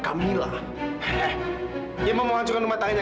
sampai jumpa di video selanjutnya